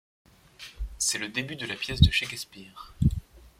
C'est le début de la pièce de Shakespeare.